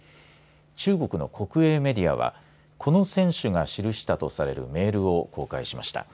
中国の国営メディアはこの選手が記したとされるメールを公開しました。